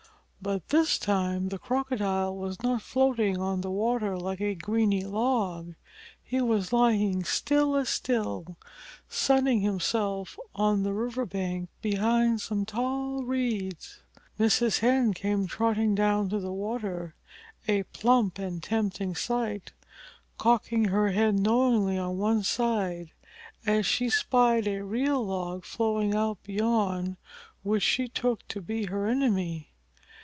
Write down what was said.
But this time the Crocodile was not floating on the water like a greeny log. He was lying still as still, sunning himself on the river bank behind some tall reeds. Mrs. Hen came trotting down to the water, a plump and tempting sight, cocking her head knowingly on one side as she spied a real log floating out beyond, which she took to be her enemy.